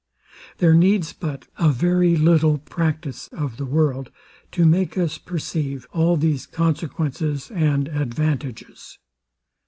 There needs but a very little practice of the world, to make us perceive all these consequences and advantages.